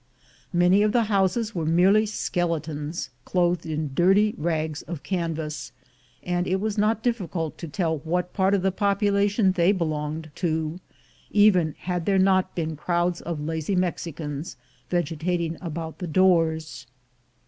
Many of the houses were merely skeletons clothed in dirty rags of canvas, and it was not diffi cult to tell what part of the population they belonged to, even had there not been crowds of lazy Mexicans vegetating about the doors.